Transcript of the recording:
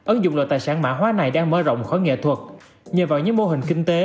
ứng dụng loại tài sản mã hóa này đang mở rộng khỏi nghệ thuật nhờ vào những mô hình kinh tế